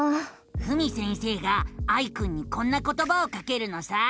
ふみ先生がアイくんにこんなことばをかけるのさ。